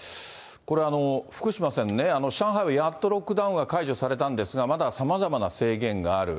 これ、福島さんね、上海はやっとロックダウンが解除されたんですが、まださまざまな制限がある。